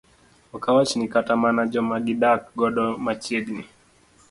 ok awachni kata mana joma gidak godo machiegni